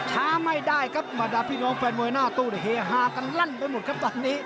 ช้าไม่ได้ครับบรรดาพี่น้องแฟนมวยหน้าตู้เฮฮากันลั่นไปหมดครับตอนนี้